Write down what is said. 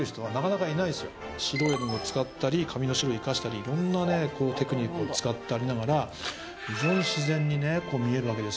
白い絵の具を使ったり紙の白活かしたりいろんなねテクニックを使ってありながら非常に自然に見えるわけですよ。